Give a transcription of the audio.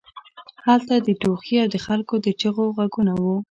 هلته د ټوخي او د خلکو د چیغو غږونه وو